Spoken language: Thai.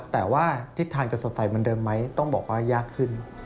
แต่ว่าทิศทางจะสดใสเหมือนเดิมไหมต้องบอกว่ายากขึ้น